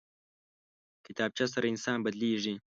کتابچه سره انسان بدلېږي